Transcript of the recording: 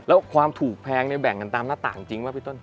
แล้วความถูกแพงเนี่ยแบ่งกันตามหน้าต่างจริงป่ะพี่ต้น